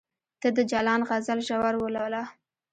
ته د جلان غزل ژور ولوله